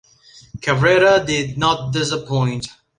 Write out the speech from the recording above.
Cabrera did not disappoint.